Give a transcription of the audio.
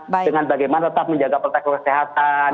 dengan bagaimana tetap menjaga protokol kesehatan